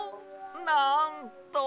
なんと！